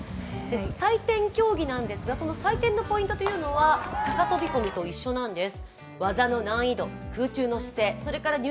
採点競技なんですが、その採点のポイントというのは高飛込と一緒なんです。